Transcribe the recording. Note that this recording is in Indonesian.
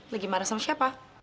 lagi marah sama siapa